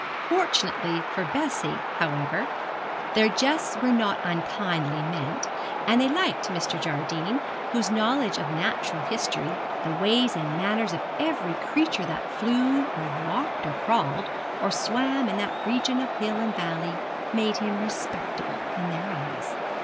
Fortunately for Bessie, however, their jests were not unkindly meant, and they liked Mr. Jardine, whose knowledge of natural history, the ways and manners of every creature that flew, or walked, or crawled, or swam in that region of hill and valley, made him respectable in their eyes.